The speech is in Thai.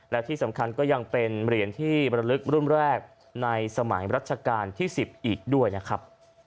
และที่สำคัญก็ยังเป็นเหรียญที่บรรลึกรุ่นแรกในสมัยรัชกาลที่๑๐อีกด้วยนะครับ